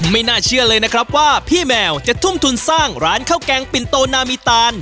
ไม่น่าเชื่อเลยนะครับว่าพี่แมวจะทุ่มทุนสร้างร้านข้าวแกงปิ่นโตนามีตาน